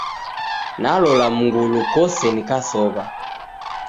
Nalola mngulu kose nikasow'a.